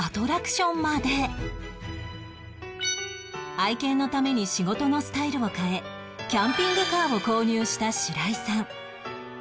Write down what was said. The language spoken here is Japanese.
愛犬のために仕事のスタイルを変えキャンピングカーを購入した白井さん